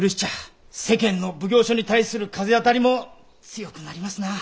世間の奉行所に対する風当たりも強くなりますな。